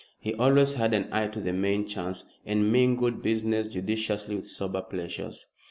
He always had an eye to the main chance, and mingled business judiciously with sober pleasures.